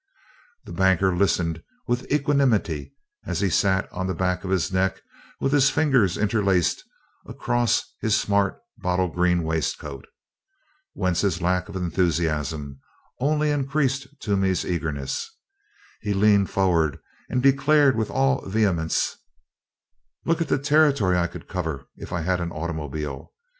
The banker listened with equanimity as he sat on the back of his neck with his fingers interlaced across his smart bottle green waistcoat. Wentz's lack of enthusiasm only increased Toomey's eagerness. He leaned forward and declared with all vehemence: "Look at the territory I could cover, if I had an automobile!